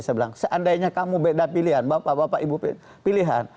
seandainya kamu beda pilihan bapak bapak ibu pilihan